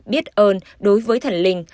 biết ơn đối với thần linh